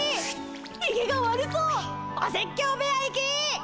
ヒゲが悪そうお説教部屋行き！